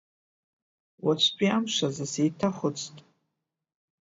Уаҵәтәи амш азы сеиҭахәыцт…